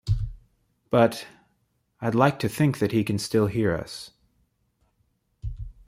But...I'd like to think that he can still hear us.